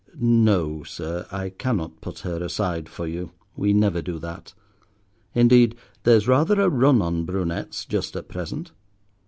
No, sir, I cannot put her aside for you, we never do that. Indeed, there's rather a run on brunettes just at present.